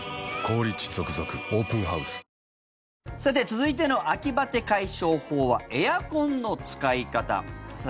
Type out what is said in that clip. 続いての秋バテ解消法はエアコンの使い方。